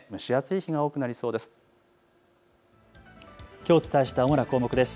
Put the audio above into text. きょうお伝えした主な項目です。